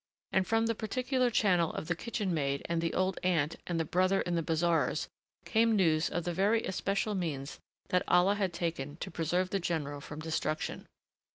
And from the particular channel of the kitchen maid and the old aunt and the brother in the bazaars came news of the very especial means that Allah had taken to preserve the general from destruction.